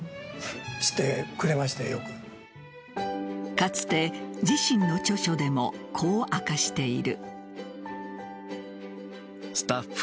かつて自身の著書でもこう明かしている。